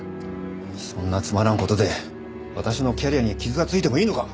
そんなつまらん事で私のキャリアに傷がついてもいいのか？